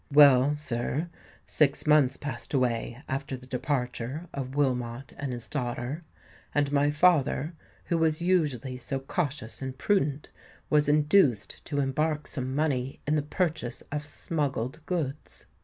Well, sir—six months passed away after the departure of Wilmot and his daughter, and my father, who was usually so cautious and prudent, was induced to embark some money in the purchase of smuggled goods.